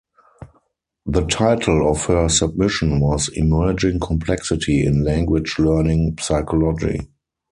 The title of her submission was "Emerging complexity in language learning psychology".